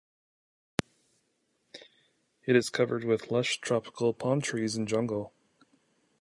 It is covered with lush tropical palm trees and jungle.